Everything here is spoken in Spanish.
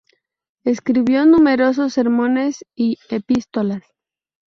Escribió numerosos sermones y epístolas.